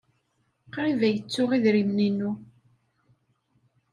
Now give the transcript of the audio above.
Qrib ay ttuɣ idrimen-inu.